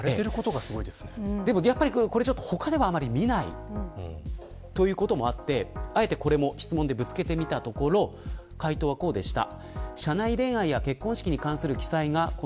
他ではあまり見ないということもあってあえてこれも質問でぶつけてみたところ回答は、こうでした。